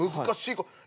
難しい子。